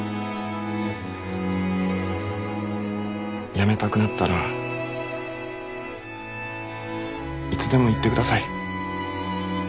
やめたくなったらいつでも言ってください。